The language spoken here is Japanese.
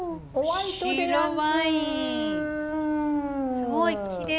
すごいきれい！